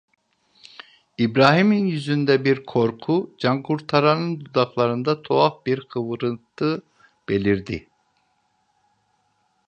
İbrahim'in yüzünde bir korku, Cankurtaranın dudaklarında tuhaf bir kıvrıntı belirdi: